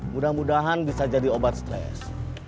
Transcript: mudah mudahan bisa jadi obat stres